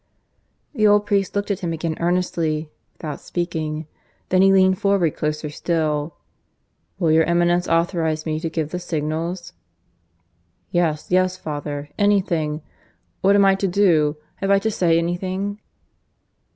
The old priest looked at him again earnestly, without speaking. Then he leaned forward closer still. "Will your Eminence authorize me to give the signals?" "Yes, yes, Father ... anything. What am I to do? Have I to say anything?"